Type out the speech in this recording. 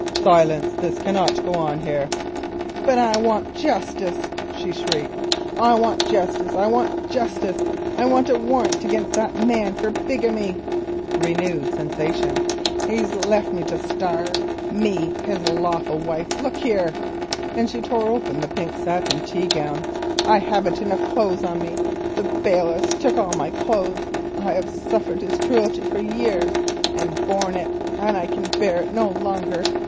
"Silence. This cannot go on here." "But I want justice," she shrieked. "I want justice; I want a warrant against that man for bigamy." (Sensation.) "He's left me to starve; me, his lawful wife. Look here," and she tore open the pink satin tea gown, "I haven't enough clothes on me; the bailiffs took all my clothes; I have suffered his cruelty for years, and borne it, and I can bear it no longer.